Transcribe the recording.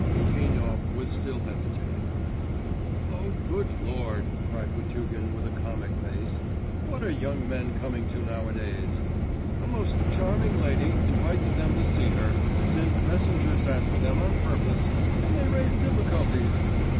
Litvinov was still hesitating. 'O good Lord!' cried Potugin with a comic face, 'what are young men coming to nowadays! A most charming lady invites them to see her, sends messengers after them on purpose, and they raise difficulties.